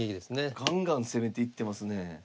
ガンガン攻めていってますね。